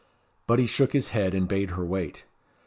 But he shook his head, and bade her wait.